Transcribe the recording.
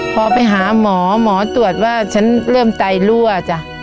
พอไปหาหมอหมอตรวจว่าฉันเริ่มไตรั่วจ้ะ